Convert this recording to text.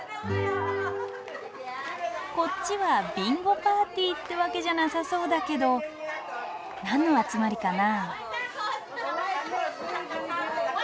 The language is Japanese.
こっちはビンゴパーティーってわけじゃなさそうだけど何の集まりかな？